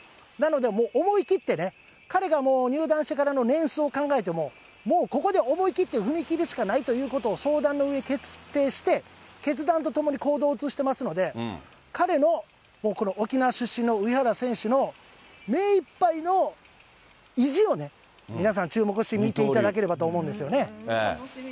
なので、思いきってね、彼がもう入団してからの年数を考えても、もうここで思いきって踏み切るしかないということを相談のうえ決定して、決断とともに行動を移してますので、彼のもうこの沖縄出身の上原選手の目いっぱいの意地をね、皆さん注目して、見ていただければと思うんですよね。